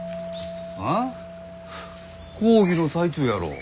あ？講義の最中やろう。